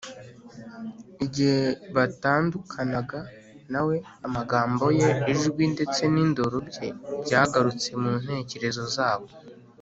igihe batandukanaga na we, amagambo ye, ijwi ndetse n’indoro bye byagarutse mu ntekerezo zabo